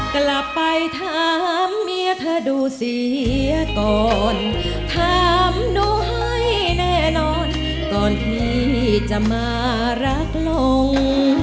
กลับไปถามเมียเธอดูเสียก่อนถามหนูให้แน่นอนก่อนที่จะมารักลง